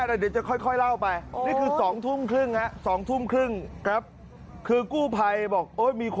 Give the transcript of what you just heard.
ราชบุรี